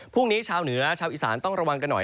พวกชาวเหนือชาวอีสานต้องระวังกันหน่อย